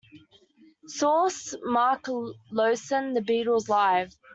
"Source:" Mark Lewisohn, "The Beatles Live!